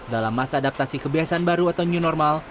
dalam masa adaptasi kebiasaan baru atau new normal